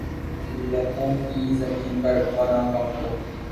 لکوں کی زمین کا رقبہ نہ کم ہو